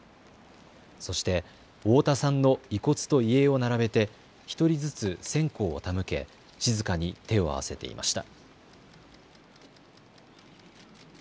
そして太田さんの遺骨と遺影を並べて１人ずつ線香を手向け静かに手を合わせていました。